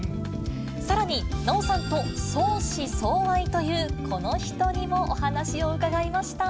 さらに、奈緒さんと相思相愛というこの人にもお話を伺いました。